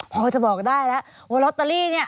พอจะบอกได้แล้วว่าลอตเตอรี่เนี่ย